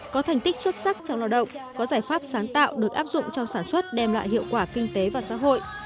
có thành tích xuất sắc trong lao động có giải pháp sáng tạo được áp dụng trong sản xuất đem lại hiệu quả kinh tế và xã hội